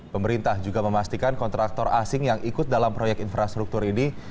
pemerintah juga memastikan kontraktor asing yang ikut dalam proyek infrastruktur ini